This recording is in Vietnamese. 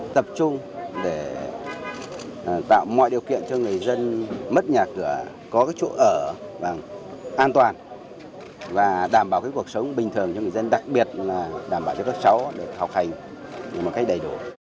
tập trung để tạo mọi điều kiện cho người dân mất nhà cửa có chỗ ở an toàn và đảm bảo cuộc sống bình thường cho người dân đặc biệt là đảm bảo cho các cháu được học hành một cách đầy đủ